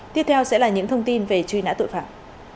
tiếp theo sẽ là những thông tin về truy nã tội phạm